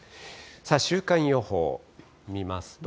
週間予報見ますと。